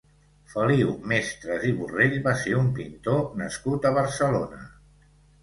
Feliu Mestres i Borrell va ser un pintor nascut a Barcelona.